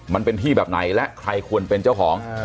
มันเป็นที่แบบไหนและใครควรเป็นเจ้าของ